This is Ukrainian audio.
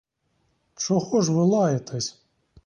Чого ж ви лаєтесь?